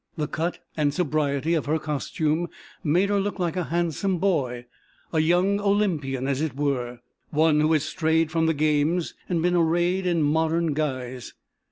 The cut and sobriety of her costume made her look like a handsome boy, a young Olympian as it were, one who had strayed from the games and been arrayed in modern guise.